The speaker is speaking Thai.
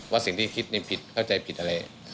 สิ่งที่คิดนี่ผิดเข้าใจผิดอะไร